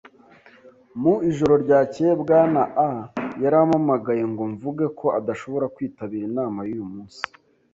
Mu ijoro ryakeye, Bwana A yarampamagaye ngo mvuge ko adashobora kwitabira inama yuyu munsi.